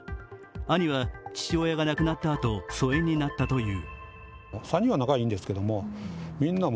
兄は父親が亡くなったあと疎遠になったという。